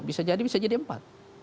bisa jadi bisa jadi empat